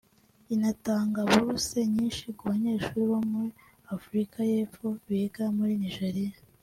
inatanga buruse nyinshi ku banyeshuri bo muri Afurika y’Epfo biga muri Nigeria